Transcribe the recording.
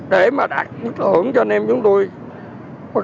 để mà đạt thưởng cho anh em chúng tôi